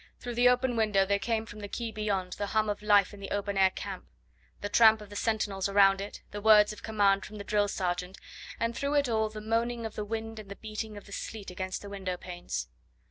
Through the open window there came from the quay beyond the hum of life in the open air camp; the tramp of the sentinels around it, the words of command from the drill sergeant, and through it all the moaning of the wind and the beating of the sleet against the window panes.